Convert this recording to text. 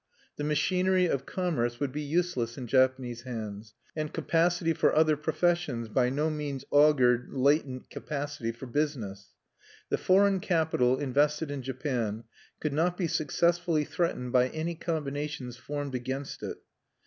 The machinery of commerce would be useless in Japanese hands; and capacity for other professions by no means augured latent capacity for business. The foreign capital invested in Japan could not be successfully threatened by any combinations formed against it.